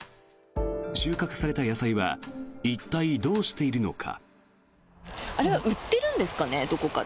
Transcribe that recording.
収穫された野菜は一体、どうしているのか。